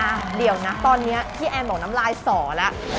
เดี๋ยวนะตอนนี้พี่แอนบอกน้ำลายสอแล้ว